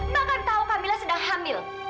mbak kan tau camilla sedang hamil